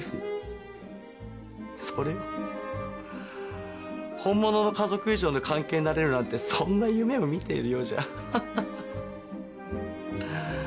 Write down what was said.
それを本物の家族以上の関係になれるなんてそんな夢を見ているようじゃハハハ。